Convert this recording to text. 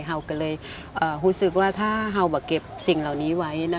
หัวก็เลยหูสึกว่าถ้าเก็บสิ่งเหล่านี้ไว้นะคะ